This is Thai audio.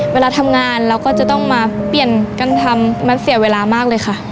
เวลาทำงานเราก็จะต้องมาเปลี่ยนกันทำมันเสียเวลามากเลยค่ะ